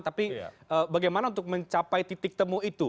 tapi bagaimana untuk mencapai titik temu itu